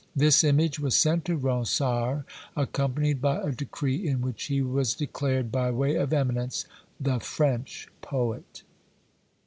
This image was sent to Ronsard, accompanied by a decree, in which he was declared, by way of eminence, "The French Poet."